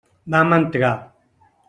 Vam entrar.